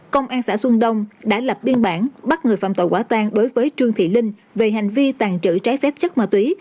công an xã xuân đông đã lập biên bản bắt người phạm tội quả tan đối với trương thị linh về hành vi tàn trữ trái phép chất ma túy